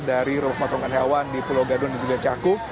dari rumah pemotongan hewan di pulau gadung dan juga caku